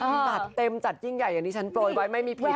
จัดเต็มจัดยิ่งใหญ่อย่างที่ฉันโปรยไว้ไม่มีพี่